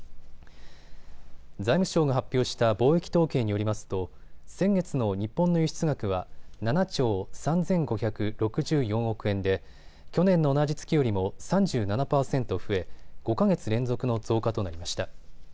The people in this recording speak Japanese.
財務省が発表した貿易統計によりますと先月の日本の輸出額は７兆３５６４億円で去年の同じ月よりも３７％増え、５か月連続の増加となりました。